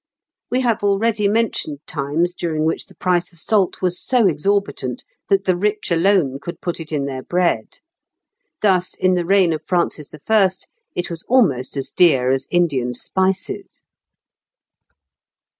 We have already mentioned times during which the price of salt was so exorbitant that the rich alone could put it in their bread. Thus, in the reign of Francis I., it was almost as dear as Indian spices.